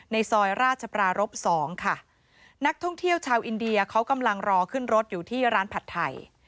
ในซอยราชปรารบสองค่ะนักท่องเที่ยวชาวอินเดียเขากำลังรอขึ้นรถอยู่ที่ร้านผัดไทย